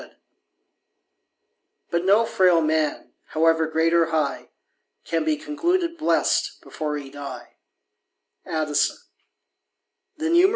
_^* But no frail man, however great or high, Can be concluded blest before he die."